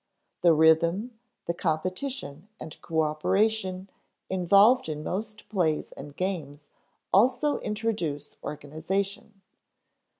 The rhythm, the competition, and coöperation involved in most plays and games also introduce organization.